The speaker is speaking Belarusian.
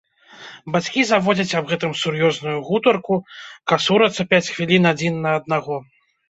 Бацькі заводзяць аб гэтым сур'ёзную гутарку, касурацца пяць хвілін адзін на аднаго.